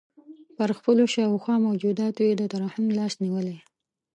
پر خپلو شاوخوا موجوداتو یې د ترحم لاس نیولی.